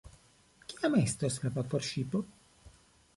Kiam estos la vaporŝipo?